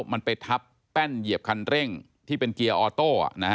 มันไปทับแป้นเหยียบคันเร่งที่เป็นเกียร์ออโต้